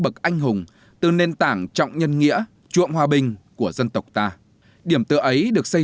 bậc anh hùng từ nền tảng trọng nhân nghĩa chuộng hòa bình của dân tộc ta điểm tựa ấy được xây